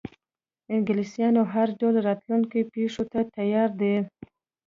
انګلیسیان هر ډول راتلونکو پیښو ته تیار دي.